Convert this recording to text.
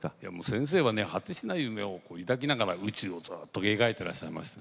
先生はね果てしない夢を抱きながら宇宙をずっと描いてらっしゃいました。